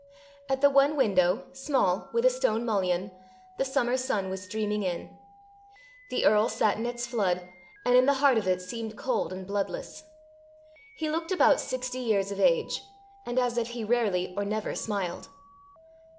At the one window, small, with a stone mullion, the summer sun was streaming in. The earl sat in its flood, and in the heart of it seemed cold and bloodless. He looked about sixty years of age, and as if he rarely or never smiled.